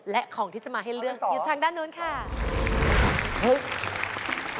และของที่จะมาให้เลือกอยู่ทางด้านนู้นค่ะ